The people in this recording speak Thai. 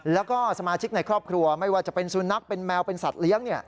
แล้วก็สมาชิกในครอบครัวไม่ว่าจะเป็นสุนัขเป็นแมวเป็นสัตว์เลี้ยง